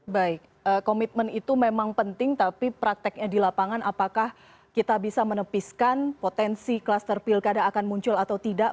baik komitmen itu memang penting tapi prakteknya di lapangan apakah kita bisa menepiskan potensi kluster pilkada akan muncul atau tidak